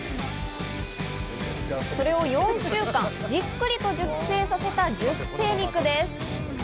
それを４週間、じっくりと熟成させた熟成肉です。